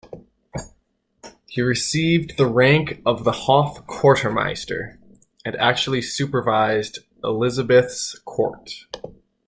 He received the rank of the hof-quartermeister; and actually supervised Elizabeth's court.